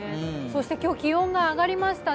そして今日、気温が上がりました。